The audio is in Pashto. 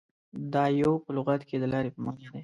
• دایو په لغت کې د لارې په معنیٰ دی.